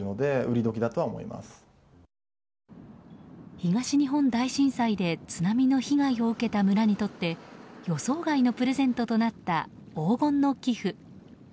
東日本大震災で津波の被害を受けた村にとって予想外のプレゼントとなった黄金の寄付。